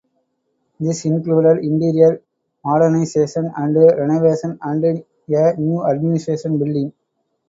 This included interior modernisation and renovation and a new administration building.